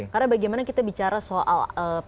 karena bagaimana kita bicara soal